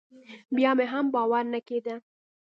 بيا مې هم باور نه کېده.